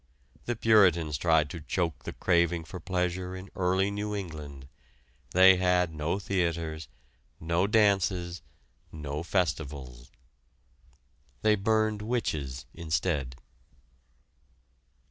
The Puritans tried to choke the craving for pleasure in early New England. They had no theaters, no dances, no festivals. They burned witches instead.